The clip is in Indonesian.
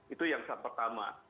itu yang pertama